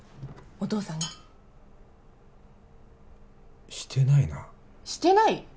お父さんがしてないなしてない？